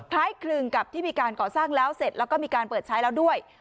คล้ายคลึงกับที่มีการก่อสร้างแล้วเสร็จแล้วก็มีการเปิดใช้แล้วด้วย